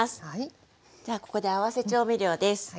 ではここで合わせ調味料です。